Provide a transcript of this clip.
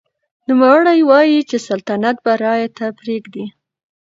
نوموړي وايي چې سلطنت به رایې ته پرېږدي.